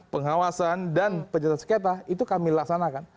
pengawasan dan penyelesaian sengketa itu kami laksanakan